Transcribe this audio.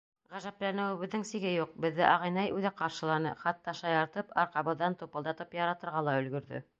Ғәжәпләнеүебеҙҙең сиге юҡ: беҙҙе ағинәй үҙе ҡаршыланы, хатта шаяртып, арҡабыҙҙан тупылдатып яратырға ла өлгөрҙө.